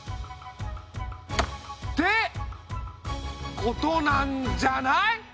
ってことなんじゃない？